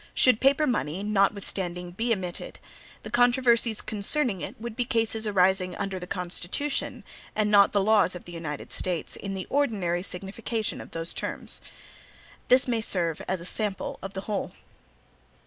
Should paper money, notwithstanding, be emited, the controversies concerning it would be cases arising under the Constitution and not the laws of the United States, in the ordinary signification of the terms. This may serve as a sample of the whole.